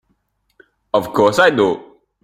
Of course I do!